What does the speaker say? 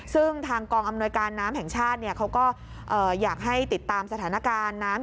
ซึ่งทางกองอำนวยการน้ำแห่งชาติเขาก็อยากให้ติดตามสถานการณ์น้ำ